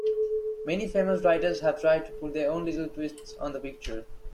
Many famous writers have tried to put their own little twists on the pictures.